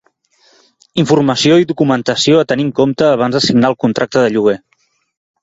Informació i documentació a tenir en compte abans de signar el contracte de lloguer.